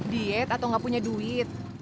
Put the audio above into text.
diet atau nggak punya duit